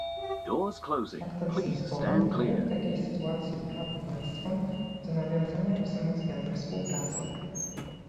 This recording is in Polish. Traktat z Lizbony daje w takiej sytuacji prawo państwom do nawiązania wzmocnionej współpracy